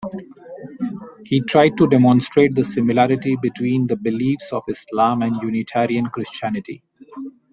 He tried to demonstrate the similarity between the beliefs of Islam and Unitarian Christianity.